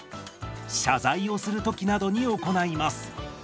謝罪をする時などに行います。